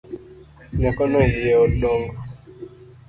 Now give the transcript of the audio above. Nyakono iye odongo?